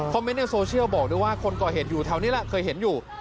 เมนต์ในโซเชียลบอกด้วยว่าคนก่อเหตุอยู่แถวนี้แหละเคยเห็นอยู่